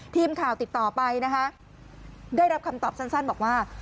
ทีมข่าวติดต่อไปนะคะได้รับคำตอบสั้นบอกว่า